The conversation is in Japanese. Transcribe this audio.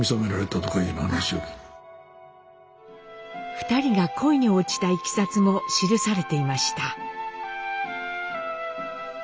２人が恋に落ちたいきさつも記されていました。